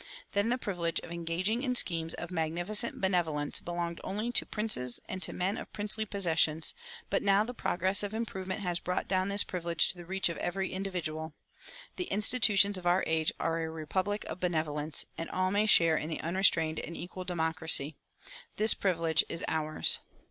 Then the privilege of engaging in schemes of magnificent benevolence belonged only to princes and to men of princely possessions; but now the progress of improvement has brought down this privilege to the reach of every individual. The institutions of our age are a republic of benevolence, and all may share in the unrestrained and equal democracy. This privilege is ours.